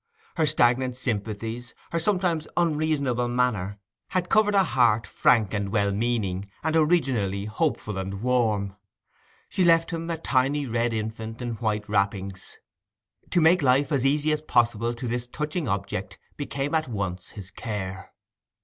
Her stagnant sympathies, her sometimes unreasonable manner, had covered a heart frank and well meaning, and originally hopeful and warm. She left him a tiny red infant in white wrappings. To make life as easy as possible to this touching object became at once his care.